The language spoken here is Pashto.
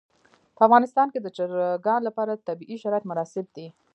په افغانستان کې د چرګان لپاره طبیعي شرایط مناسب دي.